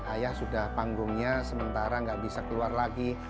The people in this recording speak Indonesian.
ayah sudah panggungnya sementara nggak bisa keluar lagi